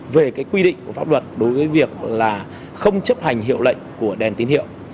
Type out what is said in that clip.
về cái quy định của pháp luật đối với việc là không chấp hành hiệu lệnh của đèn tín hiệu